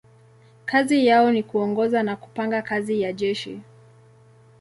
Kazi yao ni kuongoza na kupanga kazi ya jeshi.